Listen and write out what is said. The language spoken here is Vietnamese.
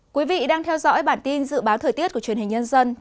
quý vị đang theo dõi bản tin dự báo thời tiết của truyền hình nhân dân